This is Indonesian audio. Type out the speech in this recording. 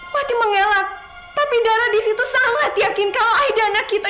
wati mengelak tapi dara disitu sangat yakin kalau aida anak kita